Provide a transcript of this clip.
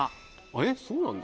えっそうなんだ。